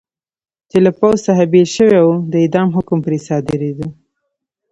چې له پوځ څخه بېل شوي و، د اعدام حکم پرې صادرېده.